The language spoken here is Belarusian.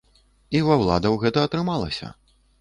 І ва ўладаў гэта атрымалася.